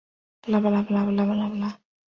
原址全境为黄埔船坞。